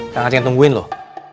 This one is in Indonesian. kak ngajeng yang tungguin loh